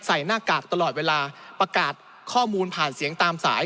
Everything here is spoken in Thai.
หน้ากากตลอดเวลาประกาศข้อมูลผ่านเสียงตามสาย